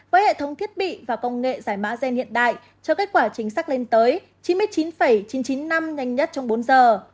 với hệ thống thiết bị và công nghệ giải mã gen hiện đại cho kết quả chính xác lên tới chín mươi chín chín trăm chín mươi năm nhanh nhất trong bốn giờ